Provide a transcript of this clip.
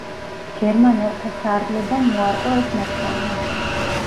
გერმანელთა სარდლობამ უარყო ეს მოთხოვნა.